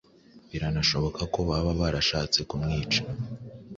Biranashoboka ko baba barashatse kumwica